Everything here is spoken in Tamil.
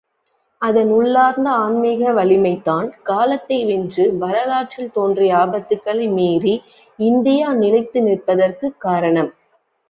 அதன் உள்ளார்ந்த ஆன்மீக வலிமைதான், காலத்தை வென்று, வரலாற்றில் தோன்றிய ஆபத்துக்களை மீறி இந்தியா நிலைத்து நிற்பதற்குக் காரணம்.